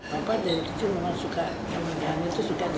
bapak dari kecil memang suka yang menjahatnya itu suka jajasi